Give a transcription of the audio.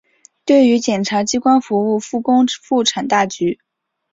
对于检察机关服务复工复产大局